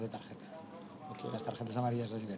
bagaimana yang tidak diberikan